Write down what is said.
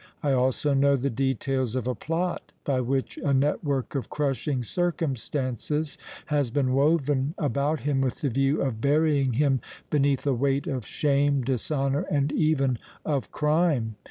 I also know the details of a plot by which a network of crushing circumstances has been woven about him with the view of burying him beneath a weight of shame, dishonor and even of crime!